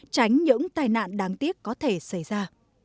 tránh những tai nạn đáng tiếc có thể xảy ra